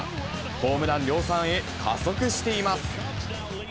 ホームラン量産へ加速しています。